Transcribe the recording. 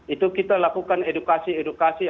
itu kita lakukan edukasi edukasi